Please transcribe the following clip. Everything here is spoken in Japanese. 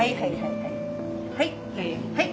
はい。